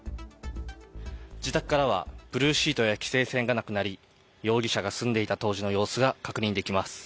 自宅からはブルーシートや規制線がなくなり容疑者が住んでいた当時の様子が確認できます。